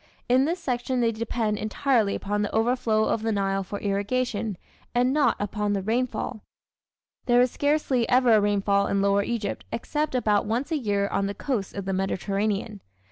In this section they depend entirely upon the overflow of the Nile for irrigation, and not upon the rainfall. There is scarcely ever a rainfall in lower Egypt except about once a year on the coast of the Mediterranean.